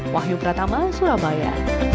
wahyu pratama surabaya